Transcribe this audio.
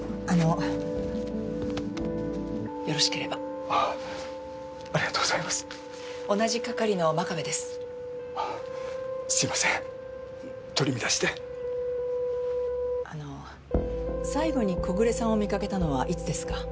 あの最後に小暮さんを見かけたのはいつですか？